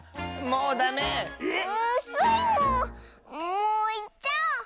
もういっちゃおう！